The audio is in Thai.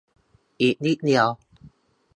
อีกนิดเดียว